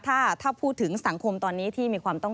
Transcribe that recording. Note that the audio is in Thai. ถ้าพูดถึงสังคมตอนนี้ที่มีความต้อง